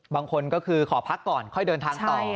บางคนก็คือขอพักก่อนค่อยเดินทางต่อ